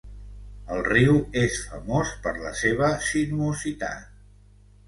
El riu és famós per la seva sinuositat.